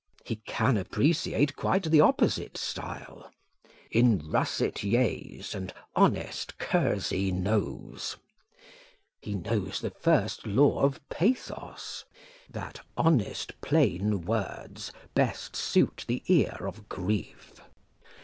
He can appreciate quite the opposite style In russet yeas, and honest kersey noes; he knows the first law of pathos, that Honest plain words best suit the ear of grief.